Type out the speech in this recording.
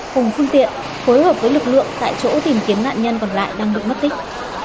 cùng phương tiện phối hợp với lực lượng tại chỗ tìm kiếm nạn nhân còn lại đang bị mất tích